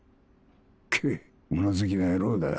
けっ物好きな野郎だ。